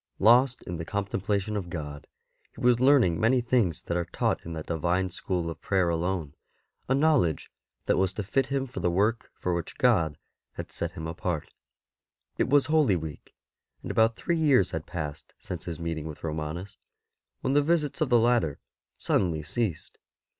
Lost in the contemplation of God, he was learning many things that are taught in that divine school of prayer alone, a know ledge that was to fit him for the work for which God had set him apart. It was Holy Week; and about three years had passed since his meeting with Romanus, when the visits of the latter suddenly ceased.